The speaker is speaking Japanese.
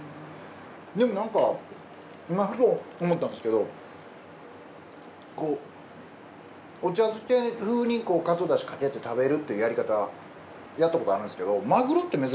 でもなんか今ふと思ったんですけどお茶漬け風にカツオ出汁をかけて食べるというやり方やったことあるんですけど。